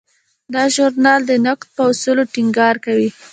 دا ژورنال د نقد په اصولو ټینګار کوي.